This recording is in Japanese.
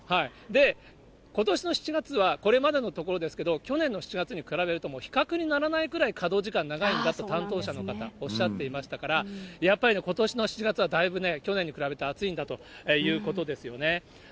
ことしの７月はこれまでのところですけど、去年の７月に比べると、比較にならないぐらい稼働時間長いんだと担当者の方、おっしゃっていましたから、やっぱりことしの７月はだいぶね、去年に比べて暑いんだということですよね。